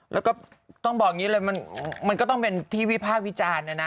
แล้วก็ต้องบอกอย่างนี้เลยมันก็ต้องเป็นที่วิพากษ์วิจารณ์นะนะ